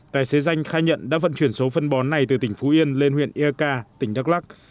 tài xế danh khai nhận đã vận chuyển số phân bón này từ tỉnh phú yên lên huyện eak tỉnh đắk lắc